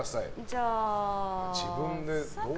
じゃあ、△。